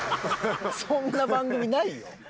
そんな番組ないよ。